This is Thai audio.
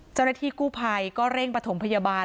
เจ้าหน้าที่กู้ภัยก็เร่งประถมพยาบาล